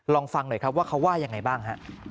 ลองฟังหน่อยครับว่าเขาว่ายังไงบ้างฮะ